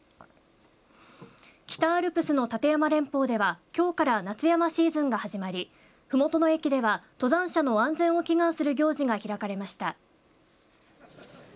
北アルプスの立山連峰ではきょうから夏山シーズンが始まりふもとの駅では登山者の安全を祈願する行事が開かれました。